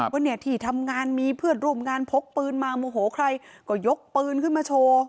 ว่าเนี่ยที่ทำงานมีเพื่อนร่วมงานพกปืนมาโมโหใครก็ยกปืนขึ้นมาโชว์